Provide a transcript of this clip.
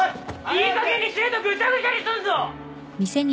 ・いいかげんにしねえとぐちゃぐちゃにすんぞ！